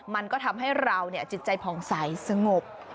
มันก็ทำให้เราจิตใจผ่องใสสงบ